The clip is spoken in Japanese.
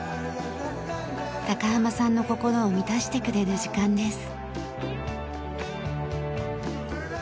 高濱さんの心を満たしてくれる時間です。